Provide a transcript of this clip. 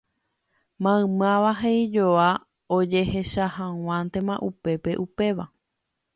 Maymáva he'ijoa ojehejahag̃uántema upépe upéva.